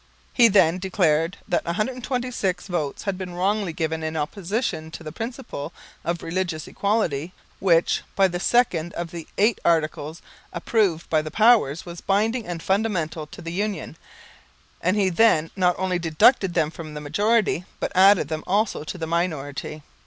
He then declared that 126 votes had been wrongly given in opposition to the principle of religious equality, which, by the Second of the Eight Articles approved by the Powers was binding and fundamental to the Union, and he then not only deducted them from the majority, but added them also to the minority.